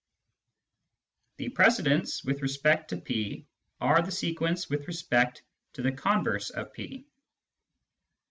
The " precedents " with respect to P are the sequents with respect to the converse of P.